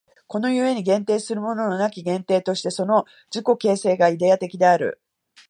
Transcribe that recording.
この故に限定するものなき限定として、その自己形成がイデヤ的である。